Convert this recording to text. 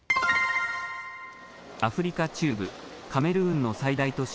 アフリカ中部カメルーンの最大都市